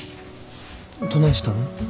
どないしたん？